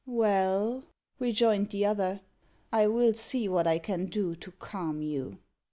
"Well," rejoined the other, "I will see what I can do to calm you."